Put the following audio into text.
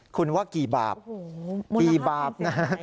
คุณว่ากี่บาปโอ้โหมูลภาพเป็นสิ่งไหน